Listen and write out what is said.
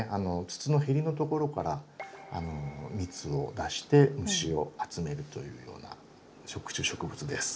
筒のヘリのところから蜜を出して虫を集めるというような食虫植物です。